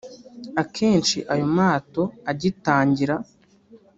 Akenshi ayo mato agitangira